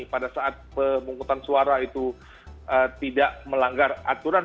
pada saat pemungutan suara itu tidak melanggar aturan